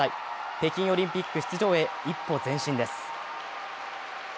北京オリンピック出場へ一歩前進です。